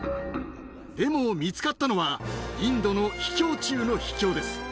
でも見つかったのは、インドの秘境中の秘境です。